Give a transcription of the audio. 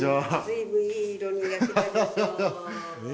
随分いい色に焼けた。